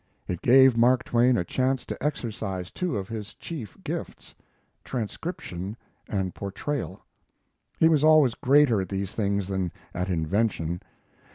It gave Mark Twain a chance to exercise two of his chief gifts transcription and portrayal. He was always greater at these things than at invention.